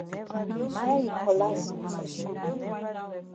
Dat yi cutlass no fes sharp.